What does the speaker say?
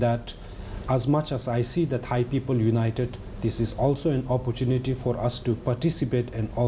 และเมื่อที่ฉันเห็นว่าคุณภาพศึกษาไทยเป็นโอกาสที่ให้เราเกิดขึ้นกับคุณ